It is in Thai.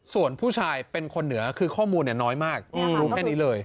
ส่วนผู้ชายเป็นคนเหนือคือข้อมูลน้อยมากรู้แค่นี้เลย